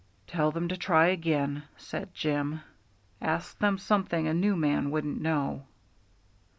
"Tell them to try again," said Jim. "Ask them something a new man wouldn't know."